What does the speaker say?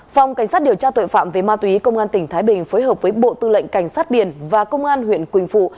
phòng cảnh sát điều tra tội phạm về ma túy công an tỉnh thái bình phối hợp với bộ tư lệnh cảnh sát biển và công an huyện quỳnh phụ